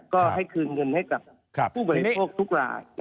ก็ให้คืนเงินให้กับผู้บริโภคทุกราย